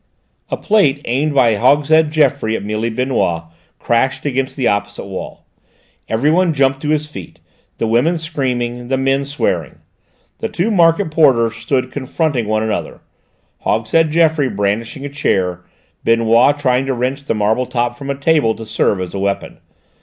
A plate aimed by Hogshead Geoffroy at Mealy Benoît crashed against the opposite wall. Everyone jumped to his feet, the women screaming, the men swearing. The two market porters stood confronting one another, Hogshead Geoffroy brandishing a chair, Benoît trying to wrench the marble top from a table to serve as a weapon.